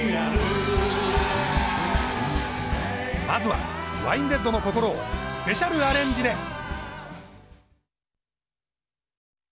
まずは「ワインレッドの心」をスペシャルアレンジで！